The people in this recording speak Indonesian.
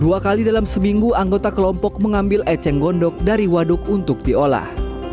dua kali dalam seminggu anggota kelompok mengambil eceng gondok dari waduk untuk diolah